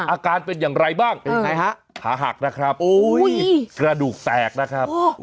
อาการเป็นอย่างไรบ้างเป็นไงฮะขาหักนะครับกระดูกแตกนะครับ